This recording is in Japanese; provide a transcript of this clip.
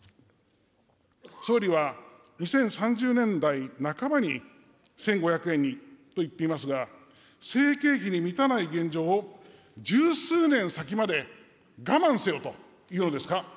総理は２０３０年代半ばに、１５００円にと言っていますが、生計費に満たない現状を十数年先まで我慢せよというのですか。